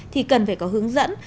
thì cần phải có hướng dẫn